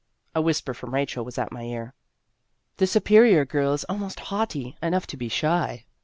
A whisper from Rachel was at my ear :" The Superior Girl is almost haughty enough to be shy."